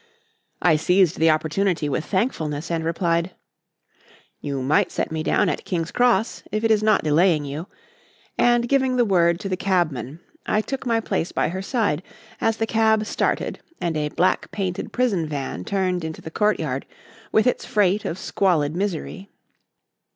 I seized the opportunity with thankfulness and replied "You might set me down at King's Cross if it is not delaying you;" and giving the word to the cabman, I took my place by her side as the cab started and a black painted prison van turned into the courtyard with its freight of squalid misery.